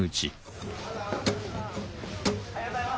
おはようございます。